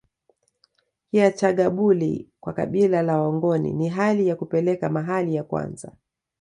Chiyagabuli kwa kabila la wangoni ni hali ya kupeleka mahali ya kwanza